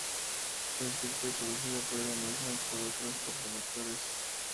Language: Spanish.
Fue escrita y producida por ella misma y por otros co-productores.